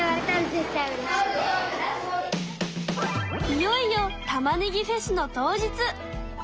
いよいよ「たまねぎフェス」の当日。